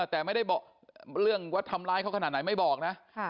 แต่ไม่ได้บอกเรื่องว่าทำร้ายเขาขนาดไหนไม่บอกนะ